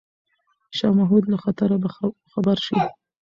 شاه محمود له خطره خبر شو.